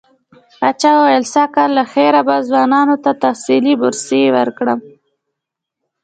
پاچا وويل سږ کال له خيره به ځوانانو ته تحصيلي بورسيې ورکړم.